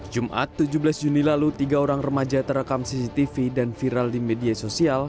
jumat tujuh belas juni lalu tiga orang remaja terekam cctv dan viral di media sosial